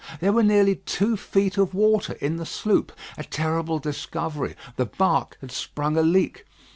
There were nearly two feet of water in the sloop. A terrible discovery; the bark had sprung a leak.